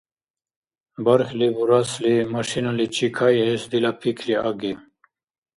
Бархьли бурасли, машиналичи кайэс дила пикри аги.